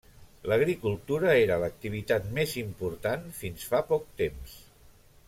L'agricultura era l'activitat més important fins fa poc temps.